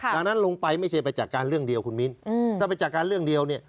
ดังนั้นลงไปไม่ใช่ไปจัดการเรื่องเดียวคุณมิ้นถ้าไปจัดการเรื่องเดียวเนี่ย